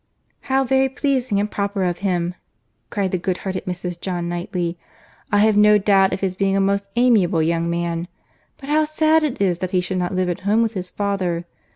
"How very pleasing and proper of him!" cried the good hearted Mrs. John Knightley. "I have no doubt of his being a most amiable young man. But how sad it is that he should not live at home with his father!